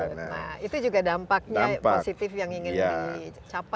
nah itu juga dampaknya positif yang ingin dicapai